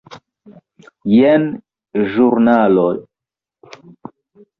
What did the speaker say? Jen ĵurnaloj.